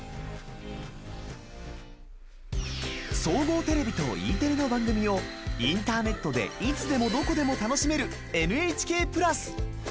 総合テレビとＥテレの番組をインターネットでいつでもどこでも楽しめる「ＮＨＫプラス」。